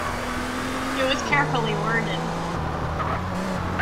It was carefully worded.